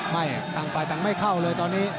ต่างฝ่ายต่างไม่เข้าเลยตอนนี้